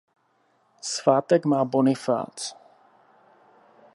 Svátek má Bonifác.